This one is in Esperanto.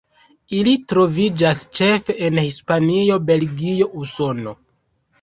Ili troviĝas ĉefe en Hispanio, Belgio, Usono.